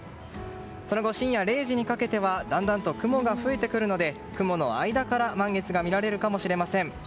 その後、深夜０時にかけてはだんだんと雲が増えてくるので雲の間から満月が見られるかもしれません。